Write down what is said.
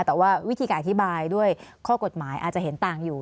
แต่ว่าวิธีการอธิบายด้วยข้อกฎหมายอาจจะเห็นต่างอยู่